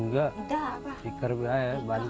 enggak tikar tikarnya apa